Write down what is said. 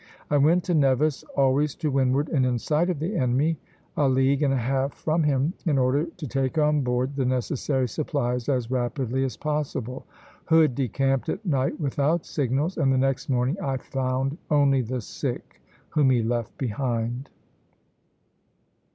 I went to Nevis, always to windward and in sight of the enemy, a league and a half from him, in order to take on board the necessary supplies as rapidly as possible. Hood decamped at night without signals, and the next morning I found only the sick whom he left behind."